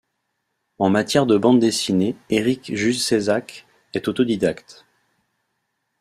En matière de bande dessinée, Erik Juszezak est autodidacte.